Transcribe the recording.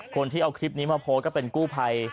คนที่เอาคลิปนี้มาโพสต์ก็เป็นกู้ภัย